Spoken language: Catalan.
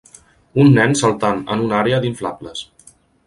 Un nen saltant en una àrea d'inflables.